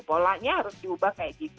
polanya harus diubah kayak gitu